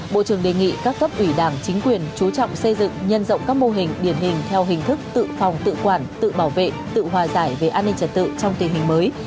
bộ trưởng đề nghị các cấp ủy đảng chính quyền chú trọng xây dựng nhân rộng các mô hình điển hình theo hình thức tự phòng tự quản tự bảo vệ tự hòa giải về an ninh trật tự trong tình hình mới